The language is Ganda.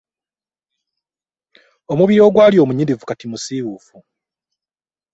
Omubiri ogwali omunyirivu kati musiiwuufu.